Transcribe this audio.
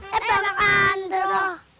kita bakal antar dong